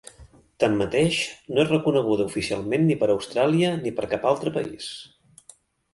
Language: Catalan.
Tanmateix, no és reconeguda oficialment ni per Austràlia ni per cap altre país.